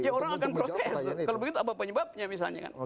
ya orang akan protes kalau begitu apa penyebabnya misalnya kan